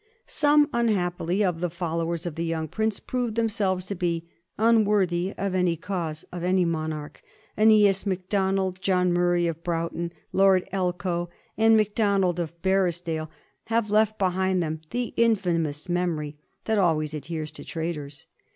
Some^ unhappily, of the follow ers of the young prince proved themselves to be un worthy of any cause of any monarch, ^neas Macdonald, John Murray of Broughton, Lord Elcho, and Macdon ald of Barrisdale have left behind them the infamous memory that always adheres to traitors.